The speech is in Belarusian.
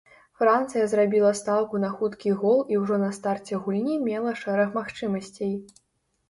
Францыя зрабіла стаўку на хуткі гол і ўжо на старце гульні мела шэраг магчымасцей.